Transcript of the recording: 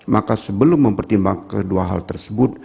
maka sebelum mempertimbangkan kedua hal tersebut